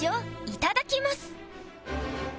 いただきます。